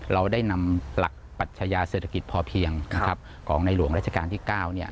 เราได้นำหลักปัชญาเศรษฐกิจพอเพียงนะครับของในหลวงราชการที่๙